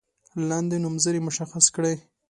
لاندې نومځري مشخص کړئ.